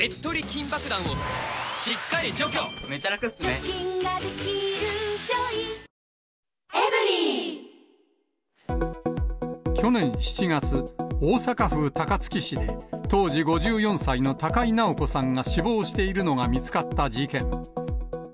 高井容疑者と直子さんは、去年７月、大阪府高槻市で、当時５４歳の高井直子さんが死亡しているのが見つかった事件。